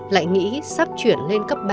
lại nghĩ sắp chuyển lên cấp ba